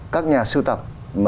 các nhà sưu tập